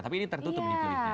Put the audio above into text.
tapi ini tertutup